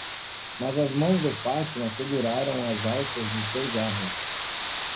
Mas as mãos de Fátima seguraram as alças de seu jarro.